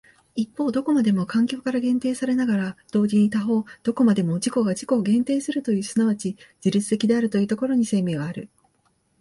一方どこまでも環境から限定されながら同時に他方どこまでも自己が自己を限定するという即ち自律的であるというところに生命はある。